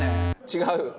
違う。